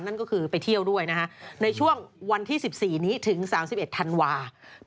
ในช่วงวันที่๑๔นี้ถึง๓๑ธันวาคม